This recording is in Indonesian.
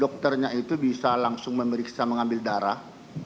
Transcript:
dokternya itu bisa langsung memeriksa mengambil darah